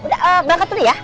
udah berangkat dulu ya